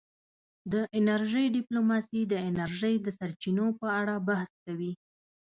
د انرژۍ ډیپلوماسي د انرژۍ د سرچینو په اړه بحث کوي